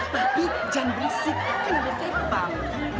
tapi jangan berisik ini bersepam